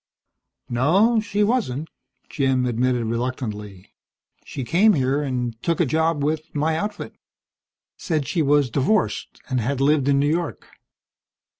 "No, she wasn't," Jim admitted reluctantly. "She came here and took a job with my outfit. Said she was divorced, and had lived in New York.